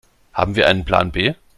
Haben wir einen Plan B?